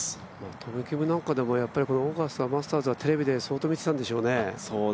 トム・キムなんかでも、オーガスタ、マスターズなんかはテレビで相当見てたんでしょうね。